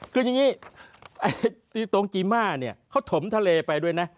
คืออย่างนี้ตรงจีม่าเนี่ยเขาถมทะเลไปด้วยนะ